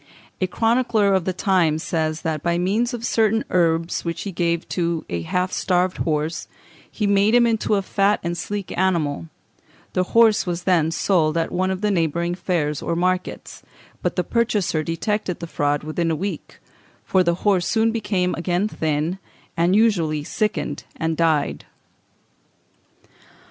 A chronicler of the time says, that by means of certain herbs which he gave to a half starved horse, he made him into a fat and sleek animal; the horse was then sold at one of the neighbouring fairs or markets, but the purchaser detected the fraud within a week, for the horse soon became thin again, and usually sickened and died.